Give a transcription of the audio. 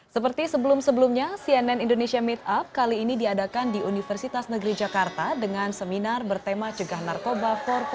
seperti sebelum sebelumnya cnn indonesia meetup kali ini diadakan di universitas negeri jakarta dengan seminar bertema cegah narkoba empat